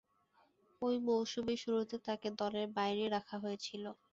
ঐ মৌসুমের শুরুতে তাকে দলের বাইরে রাখা হয়েছিল।